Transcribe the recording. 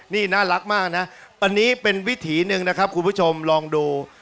นี่น่ารักมากนะอันนี้เป็นวิถีหนึ่งนะครับคุณผู้ชมลองดู